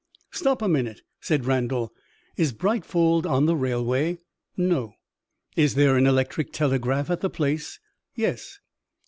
"Stop a minute," said Randal. "Is Brightfold on the railway?" "No." "Is there an electric telegraph at the place?" "Yes."